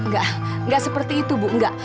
enggak seperti itu bu enggak